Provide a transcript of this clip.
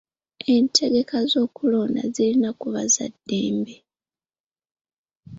Entegeka z'okulonda zirina kuba za ddembe.